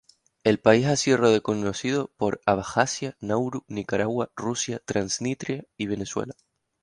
El país ha sido reconocido por Abjasia, Nauru, Nicaragua, Rusia, Transnistria, y Venezuela.